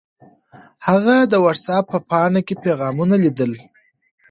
هغه د وټس اپ په پاڼه کې پیغامونه لیدل.